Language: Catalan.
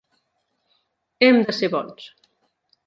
Hem de ser bons.